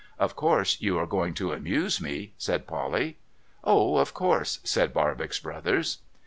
' Of course, you are going to amuse me ?' said Polly. ' Oh, of course !' said Barbox Brothers.